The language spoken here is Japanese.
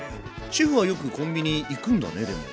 シェフはよくコンビニ行くんだねでも。